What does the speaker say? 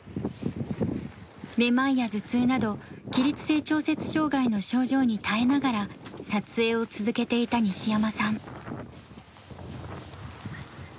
めまいや頭痛など起立性調節障害の症状に耐えながら撮影を続けていた西山さん。